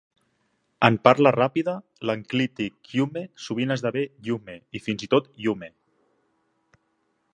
En la parla ràpida, l'enclític -hyume sovint esdevé -yuhme o fins i tot -yume.